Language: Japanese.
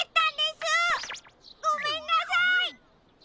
ごめんなさい！